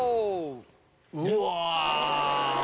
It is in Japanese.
うわ。